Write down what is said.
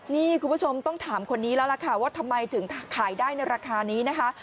นี่คุณผู้ชมต้องถามคนนี้แล้วล่ะค่ะว่าทำไมถึงขายได้ในราคานี้นะคะ